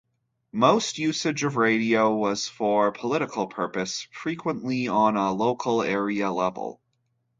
Most usage of radio was for political purpose, frequently on a local area level.